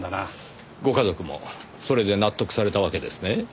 ご家族もそれで納得されたわけですね？